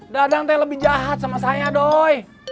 dadang teh lebih jahat sama saya doy